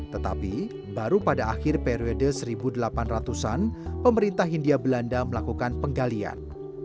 tetapi baru pada akhir periode seribu delapan ratus an pemerintah hindia belanda melakukan penggalian